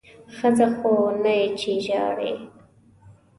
ښځه خو نه یې چې ژاړې!